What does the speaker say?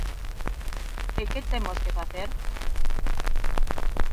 ¿E que temos que facer?